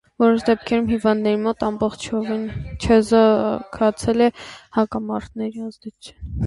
Որոշ դեպքերում հիվանդների մոտ ամբողջովին չեզոքացել է հակամարմինների ազդեցութնունը։